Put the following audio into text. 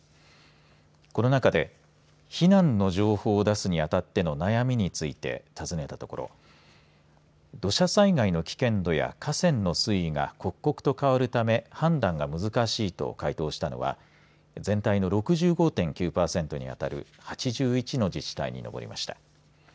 この中で避難の情報を出すにあたっての悩みについて尋ねたところ土砂災害の危険度や河川の水位が刻々と変わるため判断が難しいと回答したのは全体の６５．９パーセントに当たる８１の自治体にのぼりました。